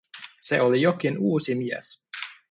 Se oli jokin uusi mies.